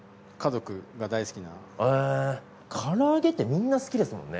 から揚げってみんな好きですもんね。